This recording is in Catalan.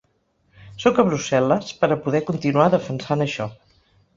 Sóc a Brussel·les per a poder continuar defensant això.